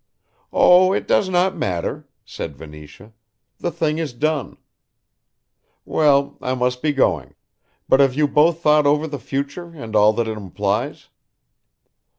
"Oh, it does not matter," said Venetia, "the thing is done. Well, I must be going but have you both thought over the future and all that it implies?"